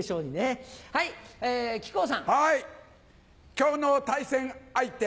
今日の対戦相手